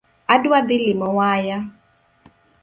Adwa dhi limo waya.